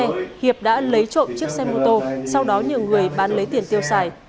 vì vậy hiệp đã lấy trộm chiếc xe mô tô sau đó nhiều người bán lấy tiền tiêu xài